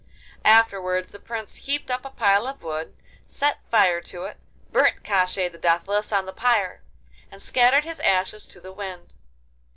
Afterwards the Prince heaped up a pile of wood, set fire to it, burnt Koshchei the Deathless on the pyre, and scattered his ashes to the wind.